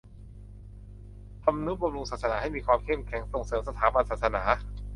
ทำนุบำรุงศาสนาให้มีความเข้มแข็ง ส่งเสริมสถาบันศาสนา